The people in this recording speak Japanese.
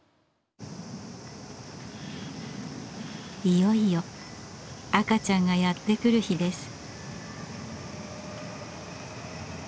いよいよ赤ちゃんがやって来る日です。